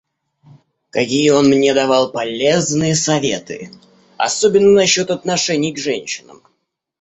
Какие он мне давал полезные советы... особенно насчет отношений к женщинам.